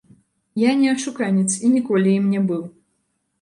Я не ашуканец і ніколі ім не быў.